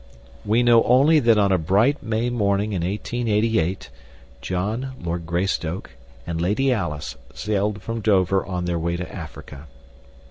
We know only that on a bright May morning in 1888, John, Lord Greystoke, and Lady Alice sailed from Dover on their way to Africa.